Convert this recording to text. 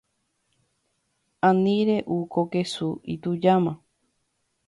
Ani re’u ko kesu. Itujáma.